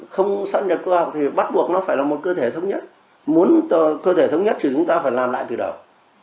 không sẵn nhật cơ học thì bắt buộc nó phải là một cơ thể thống nhất muốn cơ thể thống nhất thì chúng ta phải làm lại từ đầu